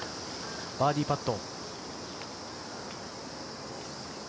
バーディーパット。